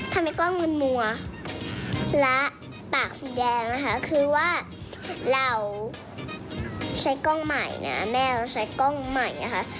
ทำให้กล้องมึนมัวและปากสีแดงนะคะคือว่าเราใช้กล้องใหม่นะแม่เราใช้กล้องใหม่นะคะ